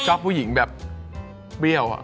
ชอบผู้หญิงแบบเปรี้ยว